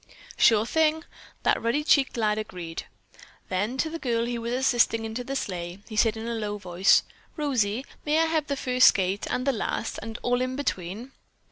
"Sure thing!" that ruddy cheeked lad agreed. Then to the girl he was assisting into the sleigh, he said in a low voice: "Rosie, may I have the first skate and the last, and all in between?"